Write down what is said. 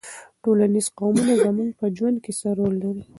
ټولنیز قوتونه زموږ په ژوند کې څه رول لري؟